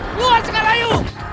keluar sekarang ayo